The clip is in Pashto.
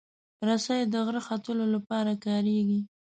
رسۍ د غر ختلو لپاره کارېږي.